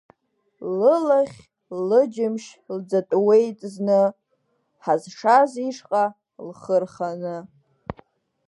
Лылахь-лыџьымшь лӡатәуеит зны, ҳазшаз ишҟа лхы рханы.